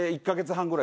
１か月半！？